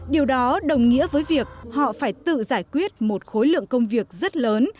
điều đó đồng nghĩa với việc họ phải tự giải quyết một khối lượng công việc rất lớn